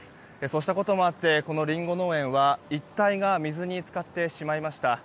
そうしたこともあってこのリンゴ農園は一帯が水に浸かってしまいました。